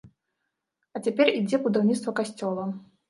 А цяпер ідзе будаўніцтва касцёла.